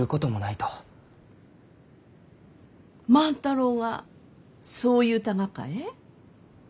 万太郎がそう言うたがかえ？